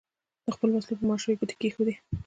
د خپلو وسلو پر ماشو یې ګوتې کېښودې.